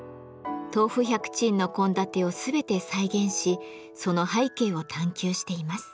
「豆腐百珍」の献立を全て再現しその背景を探究しています。